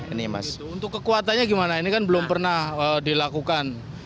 untuk kekuatannya gimana ini kan belum pernah dilakukan